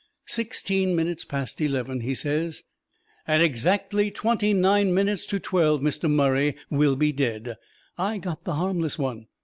"Sixteen minutes past eleven," he says. "AT EXACTLY TWENTY NINE MINUTES TO TWELVE MR. MURRAY WILL BE DEAD. I got the harmless one.